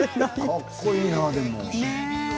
かっこいいな。